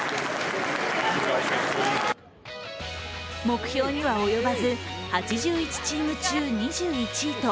目標には及ばず８１チーム中２１位と